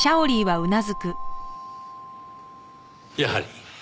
やはり。